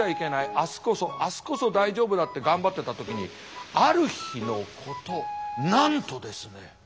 明日こそ明日こそ大丈夫だって頑張ってた時にある日のことなんとですね。